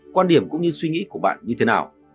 quan điểm cũng như suy nghĩ của bạn như thế nào